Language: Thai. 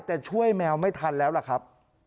แต่ช่วยแมวไม่ทันแล้วล่ะครับ